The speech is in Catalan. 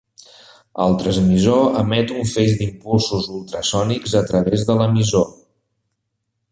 El transmissor emet un feix d'impulsos ultrasònics a través de l'emissor.